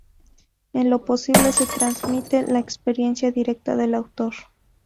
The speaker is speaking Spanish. En lo posible se transmite la experiencia directa del autor.